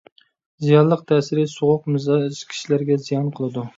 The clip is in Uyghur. زىيانلىق تەسىرى: سوغۇق مىزاج كىشىلەرگە زىيان قىلىدۇ.